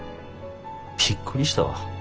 びっくりしたわ。